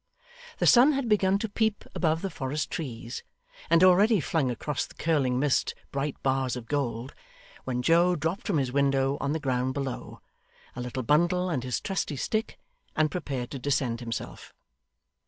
The sun had begun to peep above the forest trees, and already flung across the curling mist bright bars of gold, when Joe dropped from his window on the ground below, a little bundle and his trusty stick, and prepared to descend himself.